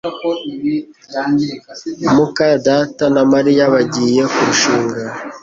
muka data na Mariya bagiye kurushinga